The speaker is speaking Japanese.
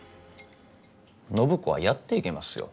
暢子はやっていけますよ。